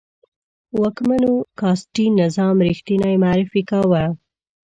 واکمنو کاسټي نظام ریښتنی معرفي کاوه.